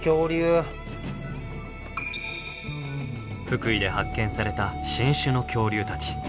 福井で発見された新種の恐竜たち。